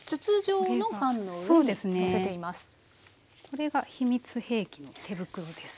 これが秘密兵器の手袋です。